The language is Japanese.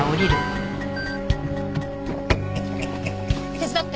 手伝って。